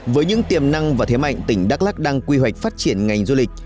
với những tiềm năng và thế mạnh tỉnh đắk lắc đang quy hoạch phát triển ngành du lịch